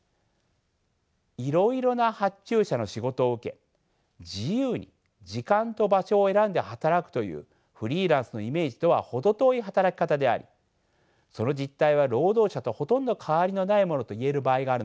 いろいろな発注者の仕事を受け自由に時間と場所を選んで働くというフリーランスのイメージとは程遠い働き方でありその実態は労働者とほとんど変わりのないものと言える場合があるのです。